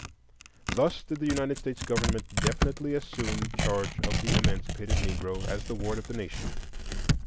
Thus did the United States government definitely assume charge of the emancipated Negro as the ward of the nation.